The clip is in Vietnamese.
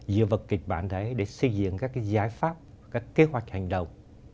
dựa vào kịch bản đấy để xây dựng các giải pháp các kế hoạch hành động